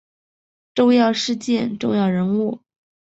重要事件重要人物